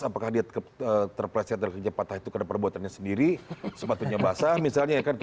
karena kalau kakinya patah maka dia terpleset dan kakinya patah itu karena perbuatannya sendiri sepatunya basah misalnya